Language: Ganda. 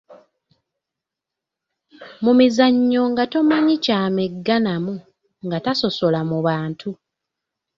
Mu mizannyo nga tomanyi ky'amegganamu, nga tasosola mu bantu.